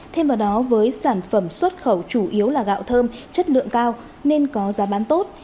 thêm vào đó với sản phẩm xuất khẩu chủ yếu là gạo thơm chất lượng cao nên có giá bán tốt